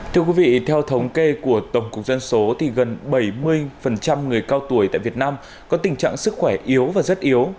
thưa quý vị theo thống kê của tổng cục dân số thì gần bảy mươi người cao tuổi tại việt nam có tình trạng sức khỏe yếu và rất yếu